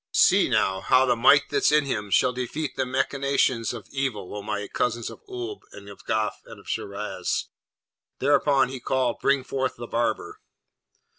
See, now, how the might that's in him shall defeat the machinations of evil, O my cousins of Oolb, and of Gaf, and of Shiraz.' Thereupon he called, 'Bring forth the barber!'